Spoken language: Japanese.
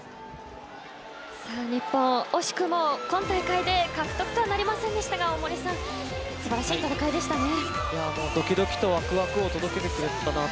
日本、惜しくも今大会で獲得とはなりませんでしたが素晴らしい戦いでしたね。